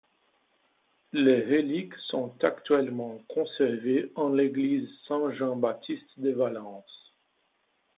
Les reliques sont actuellement conservées en l’église Saint-Jean-Baptiste de Valence.